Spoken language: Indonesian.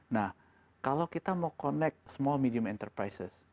nah kalau kita mau connect small medium enterprises